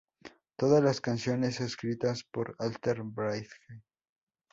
Todas las canciones escritas por Alter Bridge.